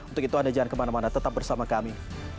untuk itu anda jangan kemana mana tetap bersama kami